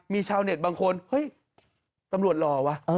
มีชาวเน็ตบางคนเฮ้ยตำรวจรอวะ